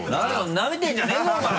なめてんじゃねぇぞお前こらぁ！